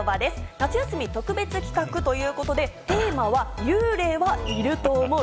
夏休み特別企画ということで、テーマは、幽霊はいると思う？